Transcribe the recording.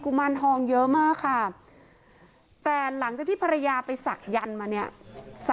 คุณปุ้ยอายุ๓๒นางความร้องไห้พูดคนเดี๋ยว